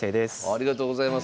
ありがとうございます。